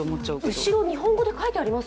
後ろ日本語で書いてあります？